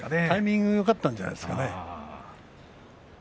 タイミングがよかったんじゃないですかね。